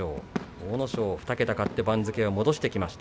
阿武咲は２桁勝って番付を戻してきました。